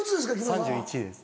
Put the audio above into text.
３１歳です。